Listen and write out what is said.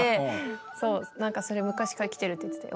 そう何かそれ昔から来てるって言ってたよ。